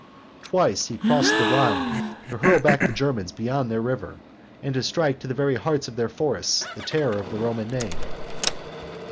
Twice he crossed the Rhine to hurl back the Germans beyond their river, and to strike to the very hearts of their forests the terror of the Roman name (A.